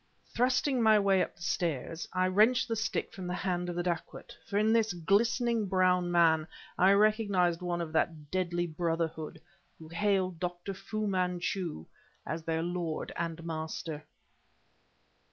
Thrusting my way up the stairs, I wrenched the stick from the hand of the dacoit for in this glistening brown man, I recognized one of that deadly brotherhood who hailed Dr. Fu Manchu their Lord and Master.